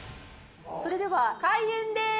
それでは開演です！